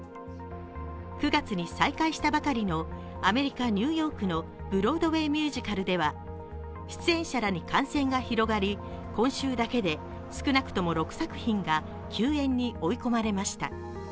９月に再開したばかりのアメリカ・ニューヨークのブロードウェイ・ミュージカルでは出演者らに感染が広がり今週だけで少なくとも６作品が休演に追い込まれました。